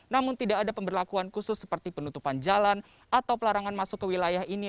namun tidak ada pemberlakuan khusus seperti penutupan jalan atau pelarangan masuk ke wilayah ini